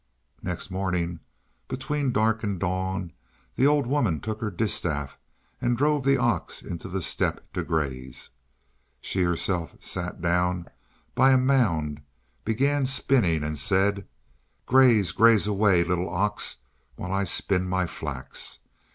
Next morning, between dark and dawn, the old woman took her distaff and drove the ox into the steppe to graze. She herself sat down by a mound, began spinning, and said: "Graze, graze away, little ox, while I spin my flax!